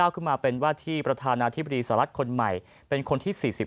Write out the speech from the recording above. ขึ้นมาเป็นว่าที่ประธานาธิบดีสหรัฐคนใหม่เป็นคนที่๔๑